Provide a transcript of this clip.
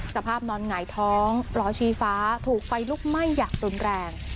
สภาพนอนหงายท้องล้อชี้ฟ้าถูกไฟลุกไหม้อย่างรุนแรง